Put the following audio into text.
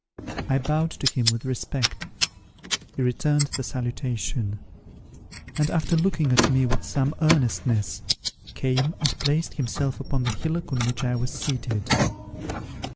I bowed to him with respect; he returned the salutation; and, after looking at me with some earnestness, came and placed himself upon the hillock on which I was seated.